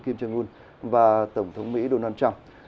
kim trương nguồn và tổng thống mỹ donald trump